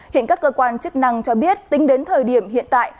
hiện các cơ quan chức năng cho biết tính đến thời điểm hiện tại